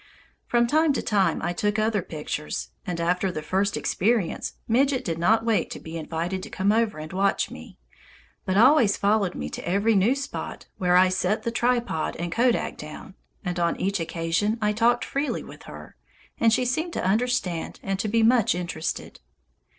From time to time I took other pictures, and after the first experience Midget did not wait to be invited to come over and watch me, but always followed me to every new spot where I set the tripod and kodak down, and on each occasion I talked freely with her, and she seemed to understand and to be much interested.